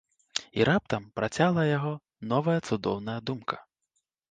І раптам працяла яго новая цудоўная думка.